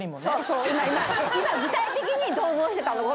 今具体的に想像してたの。